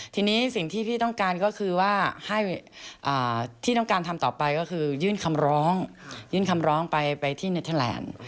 ทีนี้สิ่งที่พี่ต้องการก็คือว่าให้ที่ต้องการทำต่อไปก็คือยื่นคำร้องยื่นคำร้องไปที่เนเทอร์แลนด์